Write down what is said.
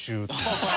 ハハハハ！